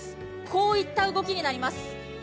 こういった動きになります。